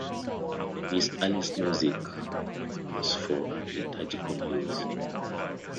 His earliest music was for liturgical use.